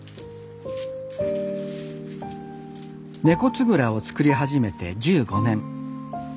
猫つぐらを作り始めて１５年。